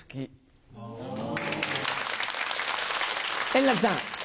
円楽さん。